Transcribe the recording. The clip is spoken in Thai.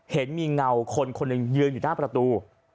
เห็นมีเงาคนคนหนึ่งยืนอยู่หน้าประตู